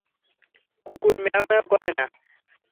কুকুর ম্যাঁও ম্যাঁও করে না।